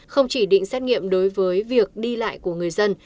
không chỉ định xét nghiệm đối với việc đi lại của người dân